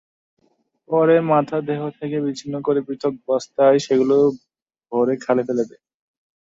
পরে মাথা দেহ থেকে বিচ্ছিন্ন করে পৃথক বস্তায় সেগুলো ভরেখালে ফেলে দেয়।